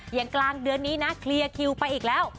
อย่างกลางเดือนนี้นะเคลียร์คิวไปอีกแล้ว